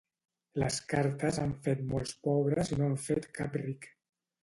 Les cartes han fet molts pobres i no han fet cap ric.